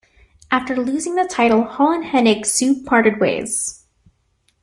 After losing the title, Hall and Hennig soon parted ways.